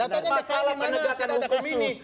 datanya di dki di mana ada kasus